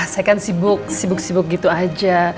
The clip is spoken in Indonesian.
saya kan sibuk sibuk gitu aja